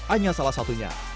anja salah satunya